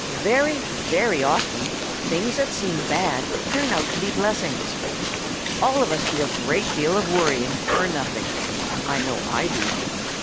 Very, very often things that seem bad turn out to be blessings. All of us do a great deal of worrying for nothing. I know I do.